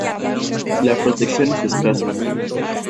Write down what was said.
La protección es escasa.